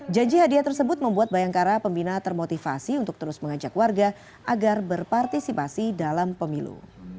janji hadiah tersebut membuat bayangkara pembina termotivasi untuk terus mengajak warga agar berpartisipasi dalam pemilu